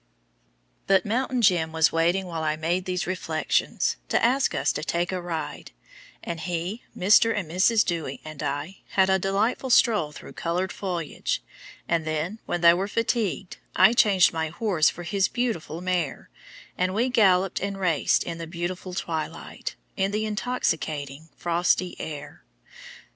But "Mountain Jim" was waiting while I made these reflections to ask us to take a ride; and he, Mr. and Mrs. Dewy, and I, had a delightful stroll through colored foliage, and then, when they were fatigued, I changed my horse for his beautiful mare, and we galloped and raced in the beautiful twilight, in the intoxicating frosty air.